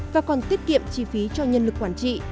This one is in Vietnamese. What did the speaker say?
và còn tiết kiệm chi phí cho nhân lực quản trị